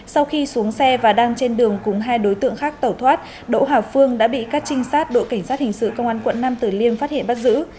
sau khi xuống xe và đang trên đường cùng hai đối tượng khác tẩu thoát đỗ hào phương đã bị các trinh sát đội cảnh sát hình sự công an quận nam tử liêm phát hiện bắt giữ